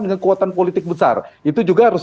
dengan kekuatan politik besar itu juga harus